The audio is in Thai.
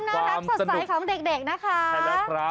น่ารักสดใสของเด็กนะคะ